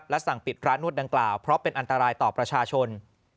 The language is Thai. และสั่งปิดร้านนวดดังกล่าวเพราะเป็นอันตรายต่อประชาชน